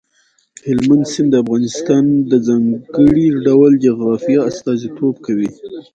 هلمند سیند د افغانستان د ځانګړي ډول جغرافیه استازیتوب کوي.